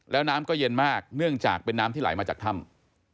แล้วน้ำก็เย็นมากเนื่องจากเป็นน้ำที่ไหลมาจากถ้ำ